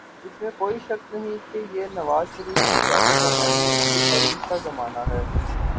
اس میں کوئی شک نہیں کہ یہ نواز شریف کی سیاسی کامیابی کے عروج کا زمانہ ہے۔